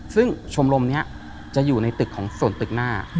ซึ่งชมรมนี้จะอยู่ในตึกของส่วนตึกหน้า